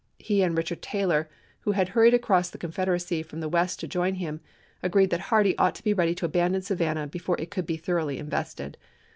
He and Richard Taylor, who had hurried across the Confederacy from the west to join him, agreed that Hardee ought to be ready to abandon Savannah before it could be thoroughly invested.